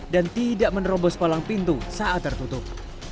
dan tidak menerobos palang pintu saat tertutup